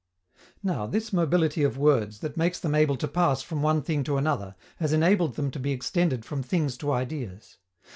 Now, this mobility of words, that makes them able to pass from one thing to another, has enabled them to be extended from things to ideas.